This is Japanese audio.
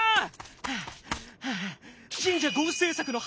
はあはあ。